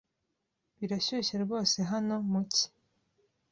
Birashyushye rwose hano mu cyi.